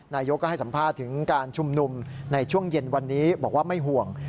นายกก็ให้สัมภาษณ์ถึงการชุมนุมในช่วงเย็นวันนี้บอกว่าไม่ห่วง